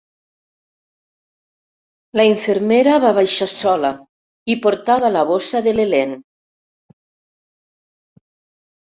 La infermera va baixar sola i portava la bossa de l'Helene.